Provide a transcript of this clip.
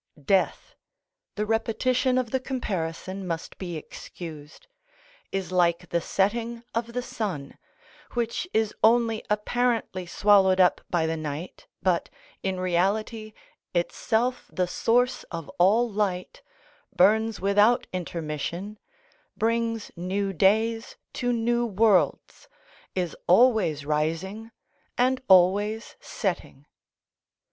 Death (the repetition of the comparison must be excused) is like the setting of the sun, which is only apparently swallowed up by the night, but in reality, itself the source of all light, burns without intermission, brings new days to new worlds, is always rising and always setting.